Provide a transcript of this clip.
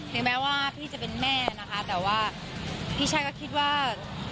ถึงแม้ว่าพี่จะเป็นแม่นะคะแต่ว่าพี่ชายก็คิดว่า